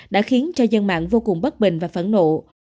đã khiến cho dân mạng vô cùng bất bình và phẫn nộ